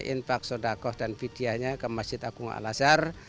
infak sodakoh dan vidyanya ke masjid agung al azhar